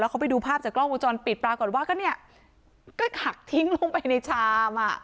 เขาไปดูภาพจากกล้องวงจรปิดปรากฏว่าก็เนี่ยก็หักทิ้งลงไปในชามอ่ะ